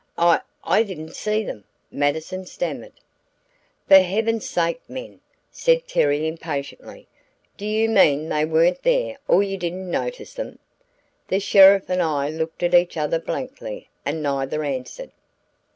"I I didn't see them," Mattison stammered. "For heaven's sake, men," said Terry impatiently. "Do you mean they weren't there or you didn't notice them?" The sheriff and I looked at each other blankly, and neither answered.